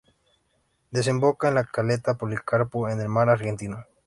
Desemboca en la caleta Policarpo, en el mar Argentino.